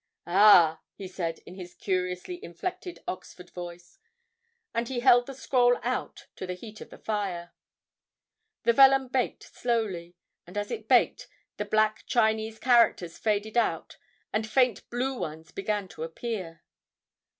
"Ah!" he said in his curiously inflected Oxford voice. And he held the scroll out to the heat of the fire. The vellum baked slowly, and as it baked, the black Chinese characters faded out and faint blue ones began to appear.